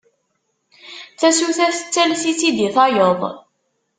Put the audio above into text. Tasuta tettales-itt-id i tayeḍ.